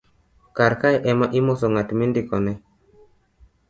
karkae ema imose ng'at mindikone